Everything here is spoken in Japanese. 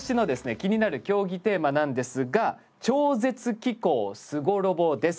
気になる競技テーマなんですが「超絶機巧・すごロボ」です。